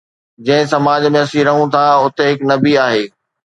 جنهن سماج ۾ اسين رهون ٿا، اتي هڪ نبي آهي.